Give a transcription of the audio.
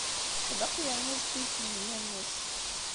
Teḥdeq yerna zeddiget nneyya-nnes.